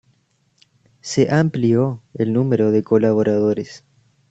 Se amplió el número de colaboradores.